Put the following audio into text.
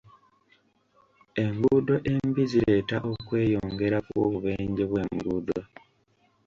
Enguudo embi zireeta okweyongera kw'obubenje bw'enguudo.